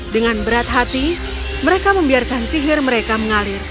dengan berat hati mereka membiarkan sihir mereka mengalir